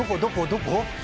どこ？